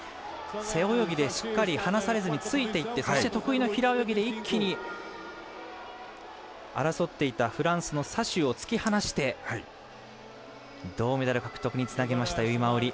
背泳ぎでしっかり離されずについていってそして得意の平泳ぎで一気に争っていたフランスのサシュを突き放して銅メダル獲得につなげました由井真緒里。